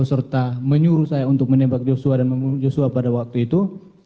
serta menyuruh saya untuk menembak yosua dan memunjuk yosua pada waktu itu